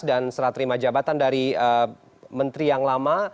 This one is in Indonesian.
dan serah terima jabatan dari menteri yang lama